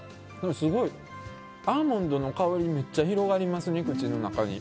すごいアーモンドの香りがめっちゃ広がりますね、口の中に。